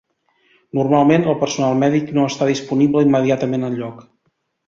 Normalment, el personal mèdic no està disponible immediatament al lloc.